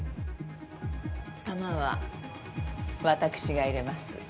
球は私が入れます。